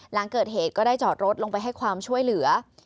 หลังเกิดเหตุก็ได้จอดรถลงไปให้ความช่วยเหลือ